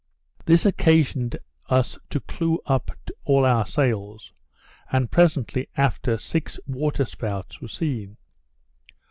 This occasioned as to clew up all our sails, and presently after six water spouts were seen.